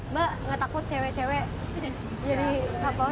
mbak gak takut cewek cewek jadi satpol pp